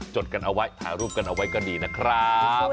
จดกันเอาไว้ถ่ายรูปกันเอาไว้ก็ดีนะครับ